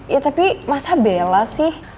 ya tapi masa bela sih